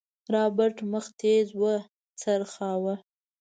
رابرټ مخ تېز وڅرخوه.